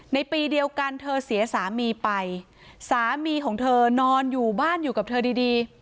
ในปีเดียวกันเธอเสียสามีไปสามีของเธอนอนอยู่บ้านอยู่กับเธอดีดี